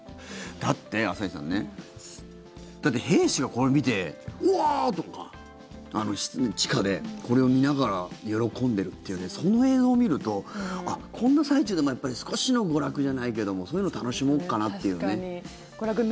だって、朝日さんね兵士がこれ見てうおー！とか、地下でこれを見ながら喜んでるっていうその辺を見るとこんな最中でもやっぱり少しの娯楽じゃないけどもそういうの楽しもうかなっていうね。